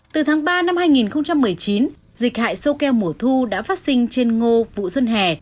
từ tháng ba năm hai nghìn một mươi chín dịch hại sâu keo mùa thu đã phát sinh trên ngô vụ xuân hè